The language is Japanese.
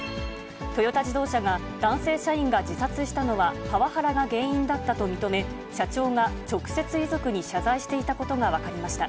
トヨタ自動車が、男性社員が自殺したのは、パワハラが原因だったと認め、社長が直接遺族に謝罪していたことが分かりました。